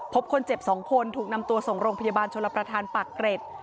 พบคนเจ็บ๒คนถูกนำตัวส่งโรงพยาบาลชลประธานปากเกร็ด